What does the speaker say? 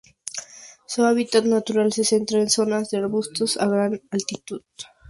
Su hábitat natural se centra en zonas de arbustos a gran altitud.